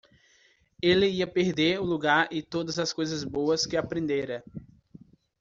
Ele ia perder o lugar e todas as coisas boas que aprendera.